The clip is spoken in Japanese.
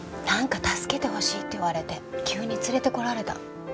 なんか助けてほしいって言われて急に連れてこられた。